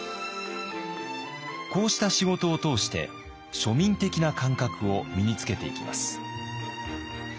こうした仕事を通して庶民的な感覚を身につけていきます。